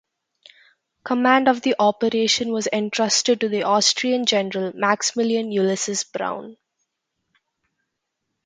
Command of the operation was entrusted to the Austrian general Maximilian Ulysses Browne.